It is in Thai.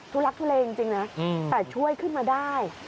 ทักทุเลจริงนะแต่ช่วยขึ้นมาได้